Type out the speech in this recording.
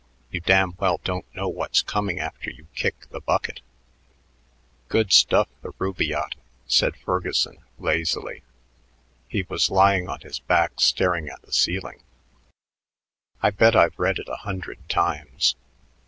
You damn well don't know what's coming after you kick the bucket." "Good stuff, the 'Rubaiyat,'" said Ferguson lazily. He was lying on his back staring at the ceiling. "I bet I've read it a hundred times.